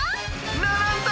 「ならんだ！